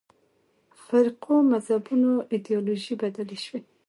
فرقو مذهبونو ایدیالوژۍ بدلې شوې.